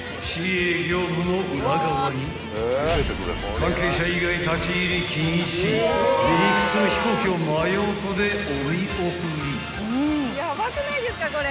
［関係者以外立ち入り禁止離陸する飛行機を真横でお見送り］